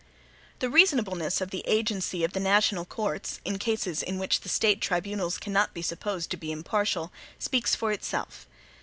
The reasonableness of the agency of the national courts in cases in which the State tribunals cannot be supposed to be impartial, speaks for itself.